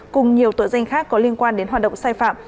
cùng nhiều tội danh khác có liên quan đến hoạt động sai phạm